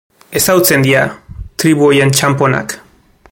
Ezagutzen dira tribu horien txanponak.